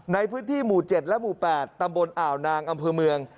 ในพื้นที่หมู่๗และหมู่๘ตำบลอ่าวนางอำเภอเมือง